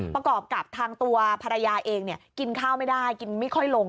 ประกอบกับทางตัวภรรยาเองกินข้าวไม่ได้กินไม่ค่อยลง